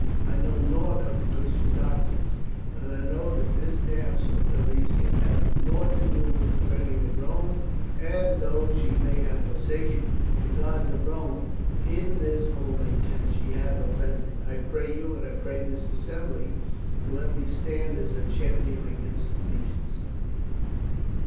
I know nought of the Christian doctrines, but I know that this damsel at least can have had nought to do with the burning of Rome, and that though she may have forsaken the gods of Rome, in this only can she have offended. I pray you, and I pray this assembly, to let me stand as her champion against the beasts."